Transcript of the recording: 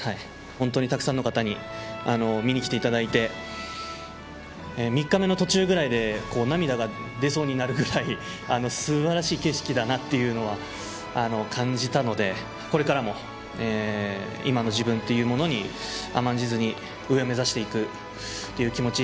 本当にたくさんの方に見に来ていただいて３日目の途中ぐらいで涙が出そうになるぐらいすばらしい景色だなというのは感じたので、これからも今の自分というものに甘んじずに上を目指していくという気持ち